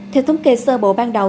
theo thống kê sơ bộ ban đầu